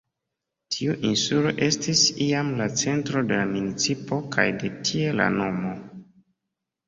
Tiu insulo estis iam la centro de la municipo, kaj de tie la nomo.